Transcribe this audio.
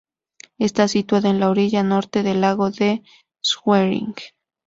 Está situada en la orilla norte del Lago de Schwerin.